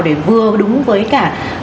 để vừa đúng với cả